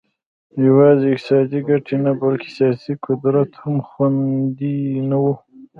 یوازې اقتصادي ګټې نه بلکې سیاسي قدرت هم خوندي نه و